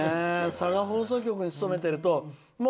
佐賀放送局に勤めてると。